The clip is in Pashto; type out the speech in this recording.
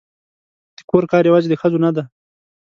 د کور کار یوازې د ښځو نه دی